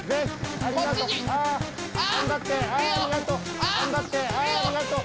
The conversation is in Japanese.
ありがとう！